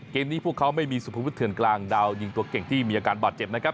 เกมนี้พวกเขาไม่มีสุภวุฒเถื่อนกลางดาวยิงตัวเก่งที่มีอาการบาดเจ็บนะครับ